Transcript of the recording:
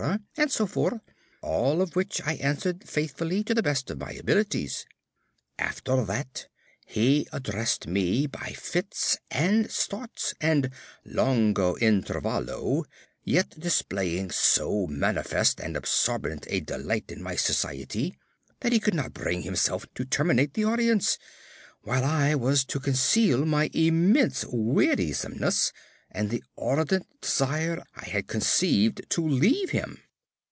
and so forth, all of which I answered faithfully, to the best of my abilities. After that he addressed me by fits and starts and longo intervallo, yet displaying so manifest and absorbent a delight in my society that he could not bring himself to terminate the audience, while I was to conceal my immense wearisomeness and the ardent desire I had conceived to leave him.